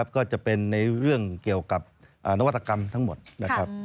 ก็จะเป็นในเรื่องเกี่ยวกับนวัตกรรมทั้งหมดนะครับ